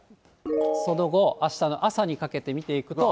その後、あしたの朝にかけて見ていくと。